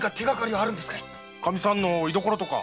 かみさんの居どころとか？